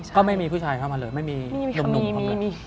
ก็ไม่มีผู้ชายเข้ามาเลยไม่มีหนุ่มคนนั้น